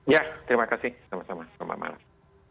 ya terima kasih sama sama selamat malam